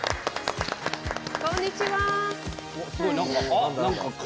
こんにちは！